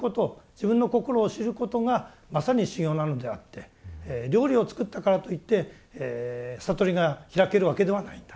自分の心を知ることがまさに修行なのであって料理を作ったからといって悟りが開けるわけではないんだ。